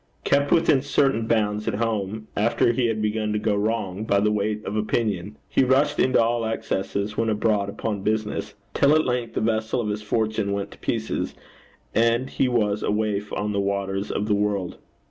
Kept within certain bounds at home, after he had begun to go wrong, by the weight of opinion, he rushed into all excesses when abroad upon business, till at length the vessel of his fortune went to pieces, and he was a waif on the waters of the world.